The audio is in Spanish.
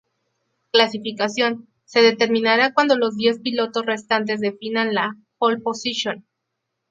Clasificación: Se determinará cuando los diez pilotos restantes definan la "pole position".